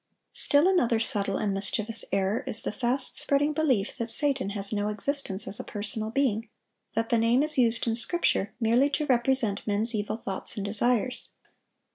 Still another subtle and mischievous error is the fast spreading belief that Satan has no existence as a personal being; that the name is used in Scripture merely to represent men's evil thoughts and desires.